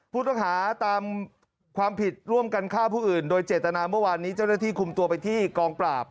ผู้ต้องหาตามความผิดร่วมกันฆ่าผู้อื่นโดยเจตนาเมื่อวานนี้เจ้าหน้าที่คุมตัวไปที่กองปราบ